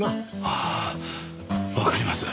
ああわかります。